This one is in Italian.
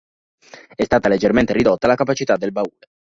È stata leggermente ridotta la capacità del baule.